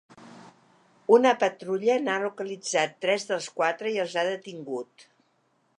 Una patrulla n’ha localitzat tres dels quatre i els ha detingut.